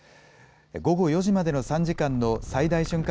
午後４時までの３時間の最大瞬間